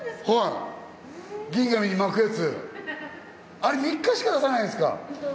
あれ３日しか出さないんですか？